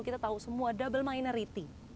kita tahu semua double minority